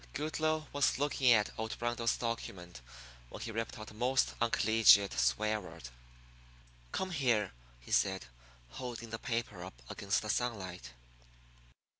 Goodloe was looking at old Rundle's document when he ripped out a most uncollegiate swear word. "Come here," he said, holding the paper up against the sunlight.